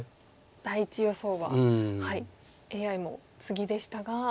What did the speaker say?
第１予想はＡＩもツギでしたが。